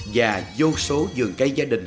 và vô số giường cây gia đình